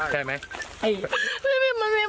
ใช่ไหม